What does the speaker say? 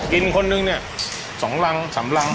กินคนหนึ่ง๒หลัง๓หลัง